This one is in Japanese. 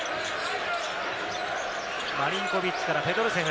マリンコビッチからペトルセフ。